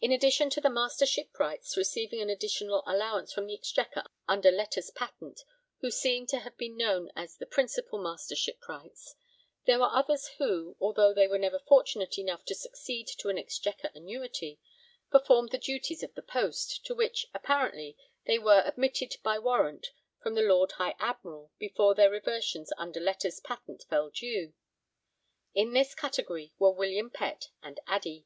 In addition to the Master Shipwrights receiving an additional allowance from the Exchequer under letters patent, who seem to have been known as the 'principal' Master Shipwrights, there were others who, although they were never fortunate enough to succeed to an Exchequer annuity, performed the duties of the post, to which, apparently, they were admitted by warrant from the Lord High Admiral before their reversions under letters patent fell due. In this category were William Pett and Addey.